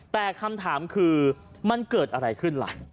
แต่คำถามคือมันเกิดอะไรขึ้นล่ะ